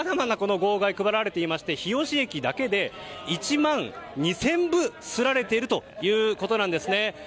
このあと、まだまだこの号外配られていまして日吉駅だけで１万２０００部刷られているということなんです。